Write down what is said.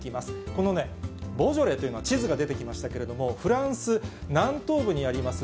このね、ボジョレというのは、地図が出てきましたけれども、フランス南東部にあります